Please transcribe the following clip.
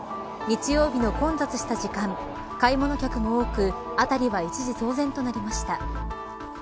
日曜日の混雑した時間買い物客も多く、辺りは一時騒然となりました。